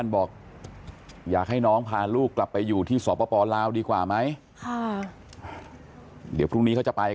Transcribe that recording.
บอกว่าอย่าทำลูกแบบนั้นเขาบอกไม่เป็นไรหยกหยก